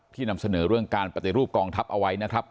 นำเสนอเรื่องการปฏิรูปกองทัพเอาไว้นะครับ